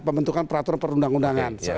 pembentukan peraturan perundang undangan